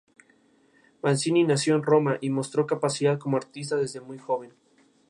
Aún conserva Frechilla buenos ejemplares de Palomares tradicionales.